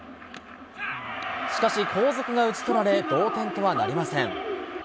しかし、後続が打ち取られ同点とはなりません。